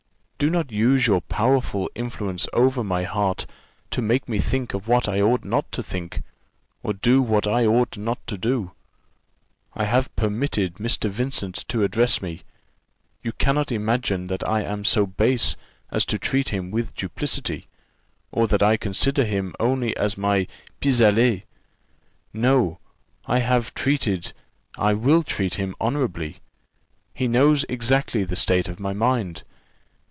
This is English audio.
Do not use your powerful influence over my heart to make me think of what I ought not to think, or do what I ought not to do. I have permitted Mr. Vincent to address me. You cannot imagine that I am so base as to treat him with duplicity, or that I consider him only as a pis aller; no I have treated, I will treat him honourably. He knows exactly the state of my mind.